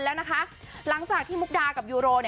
๑๒๓๔๕คนแล้วหลังจากที่มุกดากับยูโร